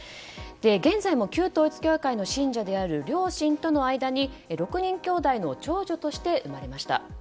現在も旧統一教会の信者である両親との間に６人きょうだいの長女として生まれました。